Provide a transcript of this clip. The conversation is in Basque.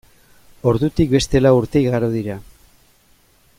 Ordutik beste lau urte igaro dira.